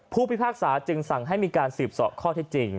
ผู้พิพากษาจึงสั่งให้มีการสืบเสาะข้อที่จริง